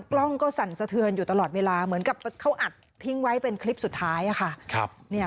กล้องก็สั่นสะเทือนอยู่ตลอดเวลาเหมือนกับเขาอัดทิ้งไว้เป็นคลิปสุดท้ายค่ะ